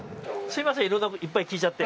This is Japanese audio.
いろんなこといっぱい聞いちゃって。